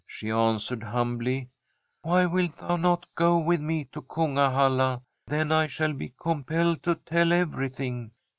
She answered humbly :* Why wilt thou not go with me to Kunga halla? Then I shall be compelled to tell everything.